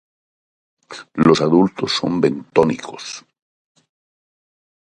Los adultos son bentónicos.